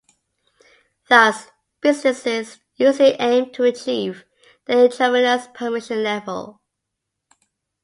Thus, businesses usually aim to achieve the "intravenous permission" level.